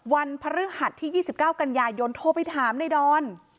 วันพระฤหัสที่๒๙กัญญายยนต์โทรไปถามนายดอน